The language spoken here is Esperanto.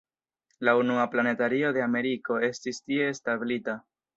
La unua planetario de Ameriko estis tie establita.